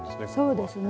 そうですね。